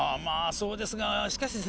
そうですがしかしですね